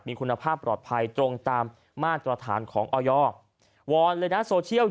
มีคุณภาพปลอดภัยตรงตามมาตรฐานของออยวอนเลยนะโซเชียล